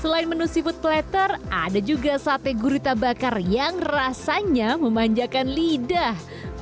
selain menu seafood platter ada juga sate gurita bakar yang rasanya memanjakan lidah